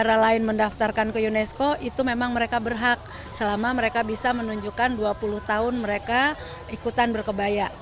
pada tahun dua ribu dua puluh mereka ikutan berkebaya